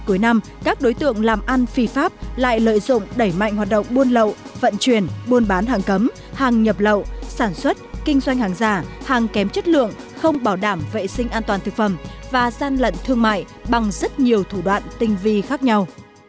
cuối năm các đối tượng làm ăn phi pháp lại lợi dụng đẩy mạnh hoạt động buôn lậu vận chuyển buôn bán hàng cấm hàng nhập lậu sản xuất kinh doanh hàng giả hàng kém chất lượng không bảo đảm vệ sinh an toàn thực phẩm và gian lận thương mại bằng rất nhiều thủ đoạn tinh vi khác nhau